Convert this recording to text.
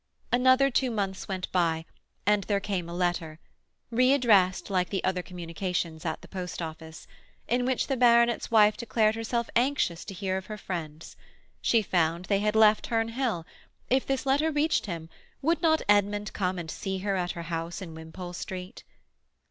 Another two months went by, and there came a letter—re addressed, like the other communications, at the post office—in which the baronet's wife declared herself anxious to hear of her friends. She found they had left Herne Hill; if this letter reached him, would not Edmund come and see her at her house in Wimpole Street?